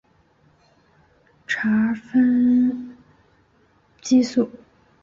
儿茶酚胺激素。